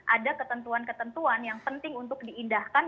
ada ketentuan ketentuan yang penting untuk diindahkan